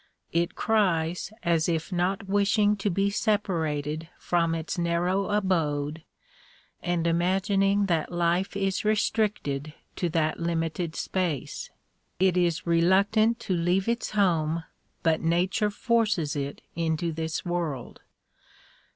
It cries as if not wishing to be separated from its narrow abode and imagining that life is restricted to that lim ited space. It is reluctant to leave its home but nature forces it into this world.